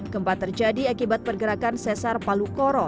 gempa terjadi akibat pergerakan sesar palu koro